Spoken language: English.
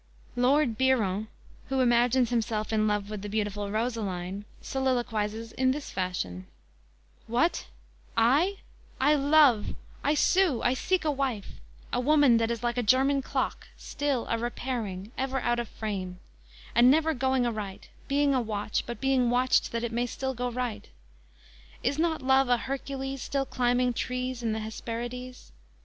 "_ Lord Biron, who imagines himself in love with the beautiful Rosaline, soliloquizes in this fashion: _"What? I! I love! I sue! I seek a wife! A woman that is like a German clock, Still a repairing; ever out of frame. And never going aright, being a watch, But being watched that it may still go right! Is not Love a Hercules Still climbing trees in the Hesperides?